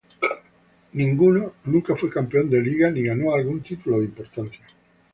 Nunca fue campeón de liga ni ganó algún título de importancia.